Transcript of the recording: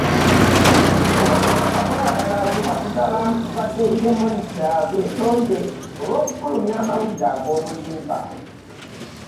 Obwakabaka bwagala olupapula lwa Daily Monitor lwetonde olw'okufulumya amawulire ag'obulimba